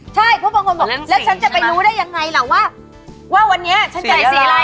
ใช่เพราะบางคนบอกแล้วฉันจะไปรู้ได้ยังไงล่ะว่าวันนี้ฉันจะได้สีอะไร